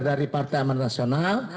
dari partai aman nasional